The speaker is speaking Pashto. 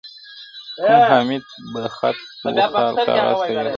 كوم حميد به خط و خال كاغذ ته يوسي!.